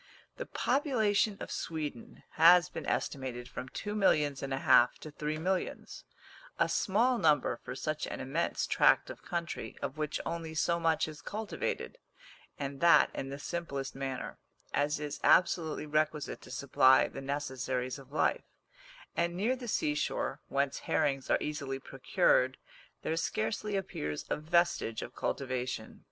The population of Sweden has been estimated from two millions and a half to three millions; a small number for such an immense tract of country, of which only so much is cultivated and that in the simplest manner as is absolutely requisite to supply the necessaries of life; and near the seashore, whence herrings are easily procured, there scarcely appears a vestige of cultivation.